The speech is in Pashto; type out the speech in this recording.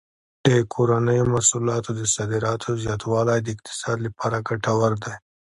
د کورنیو محصولاتو د صادراتو زیاتوالی د اقتصاد لپاره ګټور دی.